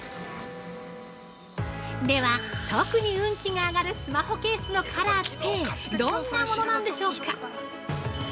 では、特に運気が上がるスマホケースのカラーってどんなものなんでしょうか？